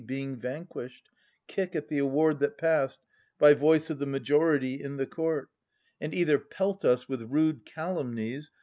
Being vanquished, kick at the award that passed By voice of the majority in the court. And either pelt us with rude calumnies.